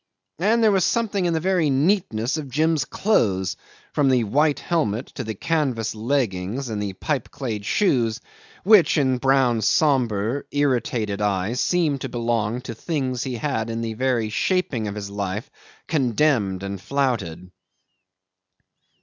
And there was something in the very neatness of Jim's clothes, from the white helmet to the canvas leggings and the pipeclayed shoes, which in Brown's sombre irritated eyes seemed to belong to things he had in the very shaping of his life condemned and flouted.